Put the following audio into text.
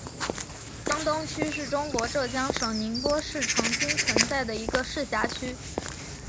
江东区是中国浙江省宁波市曾经存在的一个市辖区。